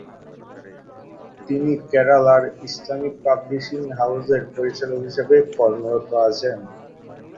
তিনি কেরালার Islamic publishing house এর পরিচালক হিসেবে কর্মরত আছেন।